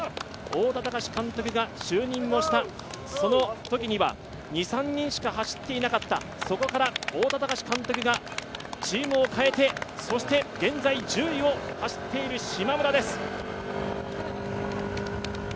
太田崇監督が就任をしたときには２３人しか走っていなかった、そこから太田崇監督がチームを変えて、現在１０位を走っている、しまむらです。